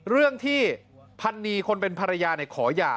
เรื่องที่พันนีคนเป็นภรรยาขอหย่า